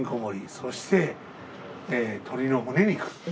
そして鶏のむね肉。